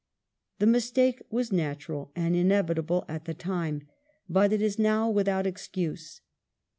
The mistake was natural and inevitable at the time, but it is now without II mS CHARACTER 17 excuse.